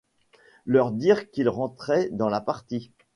Leur dire qu’il rentrait dans la partie.